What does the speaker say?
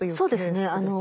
そうですね。